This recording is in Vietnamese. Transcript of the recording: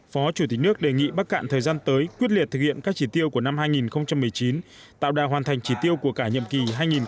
phó chủ tịch nước đề nghị bắc cạn thời gian tới quyết liệt thực hiện các chỉ tiêu của năm hai nghìn một mươi chín tạo đà hoàn thành chỉ tiêu của cả nhiệm kỳ hai nghìn một mươi sáu hai nghìn hai mươi